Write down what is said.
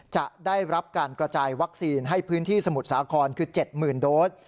จะได้รับการกระจายวัคซีนให้พื้นที่สมุทรสาครคือ๗๐๐โดส